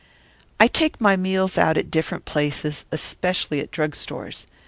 I take my meals out at different places, especially at drug stores.